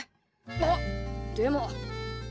あっでも。